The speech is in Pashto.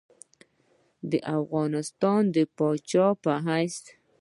د افغانستان د پاچا په حیث.